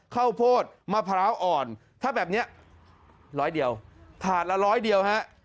ข้าวโพดมะพร้าวอ่อนถ้าแบบเนี้ยร้อยเดียวถาดละร้อยเดียวฮะ